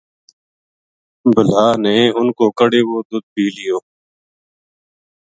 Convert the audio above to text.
بلا نے اِنھ کو کَڑھیو وو دُدھ بے پی لیو